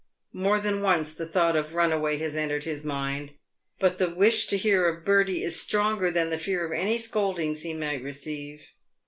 More than once the thought of " runaway" has entered his mind, but the wish to hear of Bertie is stronger than the fear of any scoldings he may receive.